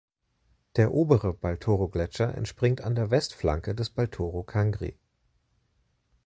Der Obere Baltorogletscher entspringt an der Westflanke des Baltoro Kangri.